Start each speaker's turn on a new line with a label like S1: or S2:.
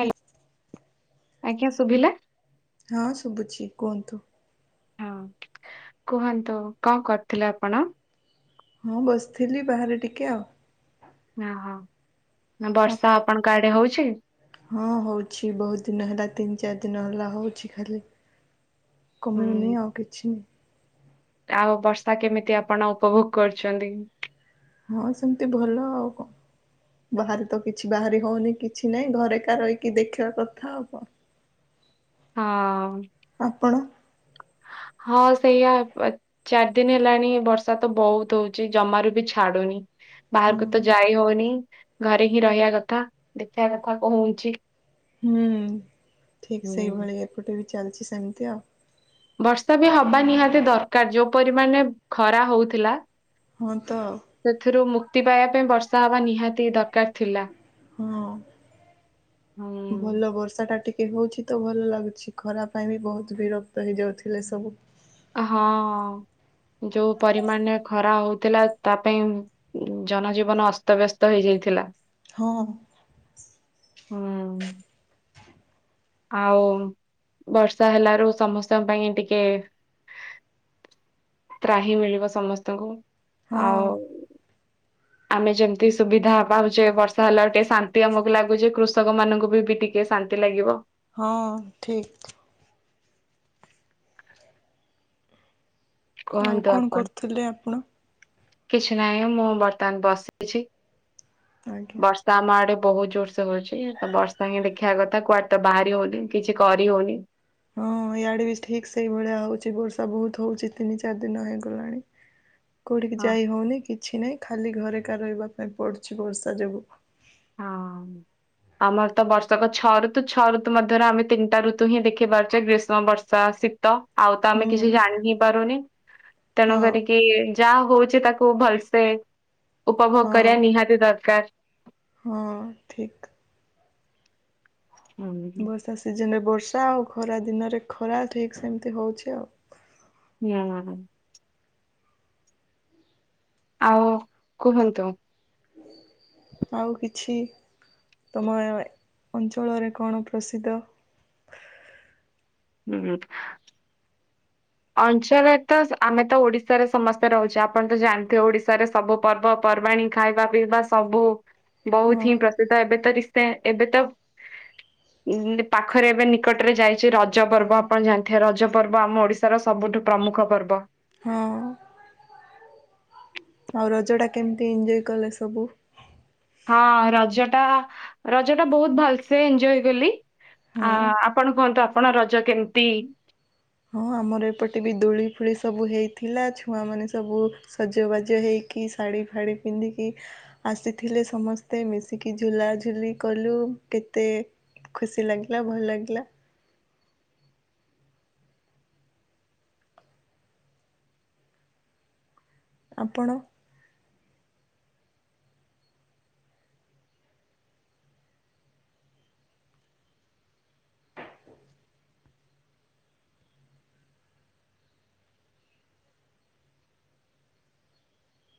S1: Hello ଆଜ୍ଞା ଶୁଭିଲା।
S2: ହଁ ସୁବୁ ଛି କୁହନ୍ତୁ।
S1: ହଁ କୁହନ୍ତୁ କଣ କରିଥିଲେ ଆପଣ?
S2: ହଁ ବସିଥିଲି ବାହାରେ ଟିକେ ଆଉ।
S1: ନା ହଁ ନା
S2: ଆପ
S1: ବର୍ଷା ଆପଣଙ୍କ ଆଡେ ହଉଛି।
S2: ହଁ ହଉଛି ବହୁତ ଦିନ ହେଲା ତିନି ଚାରି ଦିନ ହେଲା ହଉଛି ଖାଲି
S1: ହୁଁ
S2: କମିବନି ଆଉ କିଛି।
S1: ଆଉ ବର୍ଷା କେମିତି ଆପଣ ଉପଭୋଗ କରୁଛନ୍ତି?
S2: ହଁ ସେମତି ଭଲ ଆଉ। ବାହାରେ ତ କିଛି ବାହାରି ହଉନି କିଛି ନା ହିଁ ଘରେକା ରହିକି ଦେଖିବା କଥା ଆଉ କଣ?
S1: ହଁ।
S2: ଆପଣ?
S1: ହଁ ସେଇଆ। ଚାରି ଦିନ ହେଲାଣି ବର୍ଷା ତ ବହୁତ ହଉଚି ଜମାରୁ ବି ଛାଡୁନି।
S2: ହଁ
S1: ବାହାରକୁ ତ ଯାଇ ହଉନି ଘରେ ହିଁ ରହିବା କଥା ଦେଖିବା କଥା କନ ହଉଛି।
S2: ହୁଁ ଠିକ
S1: ହୁଁ
S2: ସେଇଭଳି ଏପଟେ ବି ଚାଲିଛି ସେମିତି ଆଉ।
S1: ବର୍ଷା ବି ହବା ନିହାତି ଦରକାର ଯୋଉ ପରିମାଣରେ ଖରା ହଉଥିଲା।
S2: ହଁ ତ।
S1: ସେଥିରୁ ମୁକ୍ତି ପାଇବା ପାଇଁ ବର୍ଷା ହବା ନିହାତି ଦରକାର। ଥିଲା।
S2: ହଁ
S1: ହୁଁ।
S2: ଭଲ ବର୍ଷା ଟା ଟିକ କେ ହଉଛି ତ ଭଲ ଲାଗୁଛି ଖରା ପାଇଁ ବି ବହୁତ ବିରକ୍ତ ହେଇଯାଉଥିଲେ ସବୁ।
S1: ହଁ ଯୋଉ ପରିମାଣ ରେ ଖରା ହଉଥିଲା ତା ପାଇଁ। ଉଁ ଜନ ଜୀବନ ଅସ୍ତ ବ୍ୟସ୍ତ ହେଇ ଯାଇଥିଲା।
S2: ହଁ।
S1: ହୁଁ ଆଉ ବର୍ଷା ହେଲାରୁ ସମସ୍ତଙ୍କ ପାଇଁ ଟିକେ। ତ୍ରାହି‌ ମିଳିବ ସମସ୍ତଙ୍କୁ ଆଉ।
S2: ହଁ।
S1: ଆମେ ଯେମତି ସୁବିଧା ପାଉଛେ ବର୍ଷା ହେଲାରୁ ଟିକେ ଶାନ୍ତି ଆମକୁ ଲାଗୁଚି କୃଷକ ମାନଙ୍କୁବି ବି ଟିକ ଟିକେ ଶାନ୍ତି ଲାଗିବ।
S2: ହଁ ଠିକ। ଆଉ
S1: କୁହନ୍ତୁ
S2: କଣ
S1: ଆପଣ
S2: କରୁଥିଲେ ଆପଣ?
S1: କିଛି ନାହିଁ ମୁଁ ବର୍ତ୍ତମାନ ବସିଛି।
S2: ଆଜ୍ଞା।
S1: ତ ଆମ ଆଡେ ବହୁତ ଜୋରସେ ହଉଛି ତ ବର୍ଷା ହିଁ ଦେଖିବା କଥା କୁଆଡେ ତ ବାହାରି ହଉନି କିଛି କରି ହଉନି।
S2: ହଁ ଇଆଡେ ବି ଠିକ ସେଇଭଳିଆ ହଉଛି ବର୍ଷା ବହୁତ ହଉଛି ତିନି ଚାରି ଦିନ ହେଇଗଲାଣି।
S1: [unintelligible]
S2: କୋଉଠିକି ଯାଇ ହଉନି କିଛି ନାହିଁ ଖାଲି ଘରେ ଏକା ରହିବା ପାଇଁ ପଡୁଛି ବର୍ଷା ଯୋଗୁ।
S1: ହଁ। ଆମର ତ ବର୍ଷକ ଛ ଋତୁ ଛଅ ଋତୁ ମଧ୍ୟରେ ଆମେ ତିନିଟା ଋତୁ ହିଁ ଦେଖି ପାରୁଛେ ଗ୍ରୀଷ୍ମ ବର୍ଷା ‌। ଶୀତ ଆଉ ତ
S2: ହୁଁ
S1: ଆମେ କିଛି ଜାଣି ହିଁ ପାରୁନି ତେଣୁ
S2: ହଁ
S1: କରିକି। କେ ଯା ହଉଛି ତାକୁ ଭଲସେ ଉପଭୋଗ
S2: ହଁ
S1: କରିବା ନିହାତି ଦରକାର।
S2: ହଁ ଠିକ।
S1: [unintelligible]
S2: ଭା ସିଜନ ରେ ବର୍ଷା ଆଉ ଖରା ଦିନରେ ଖରା ଠିକ ସେମିତି ହଉଛି ଆଉ।
S1: ହଁ। ଆଉ କୁହନ୍ତୁ।
S2: ଆଉ କିଛି ତମ ଅଏ ଅଞ୍ଚଳରେ କଣ ପ୍ରସିଦ୍ଧ?
S1: ହୁଁ। ଅଞ୍ଚଳରେ ତ ସ୍ ଆମେ ତ ଓଡିଶାରେ ସମସ୍ତେ ରହୁଛେ ଆପଣ ତ ଜାଣିଥିବେ ଓଡିଶାରେ ‌। ସବୁ ପର୍ବପର୍ବାଣୀ ଖାଇବା ପିଇବା ସବୁ
S2: ହଁ
S1: ବହୁତ ହିଁ ପ୍ରସିଦ୍ଧ ଏବେ ତ ରି ସେ ଏବେ ତ। ଉଁ ପାଖରେ ଏବେ ନିକଟରେ ଯାଇଛି ରଜ ପର୍ବ ଆପଣ ଜାଣିଥିବେ ରଜ ପର୍ବ ଆମ ଓଡିଶା। ଓଡ଼ିଶା ର ସବୁଠୁ ପ୍ରମୁଖ ପର୍ବ ‌।
S2: ହଁ। ଆଉ ରଜ ଟା କେମିତି ଏଞ୍ଜଏ କଲେ ସବୁ।
S1: ହଁ ରଜ ଟା ରଜ ଟା ବହୁତ ଭଲସେ ଏଞଏ କଲି ଆ।
S2: ହଁ।
S1: ଆପଣ କୁହନ୍ତୁ ଆପଣ ରଜ କେମିତି।
S2: ହଁ ଆମର ଏପଟେ ବି ଦୋଳି ଫୋଳି ସବୁ ହେଇଥିଲା ଛୁଆମାନେ ସବୁ। ସଜବାଜ ହେଇକି ଶାଢ଼ୀ ଫାଢି ପିନ୍ଧିକି। ଆସିଥିଲେ ସମସ୍ତେ ମିଶିକି ଝୁଲାଝୁଲି କଲୁ କେତେ। ଖୁସି ଲାଗିଲା ଭଲ ଲାଗିଲା। ଆପଣ।